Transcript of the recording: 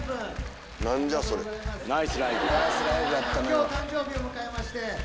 今日誕生日を迎えまして。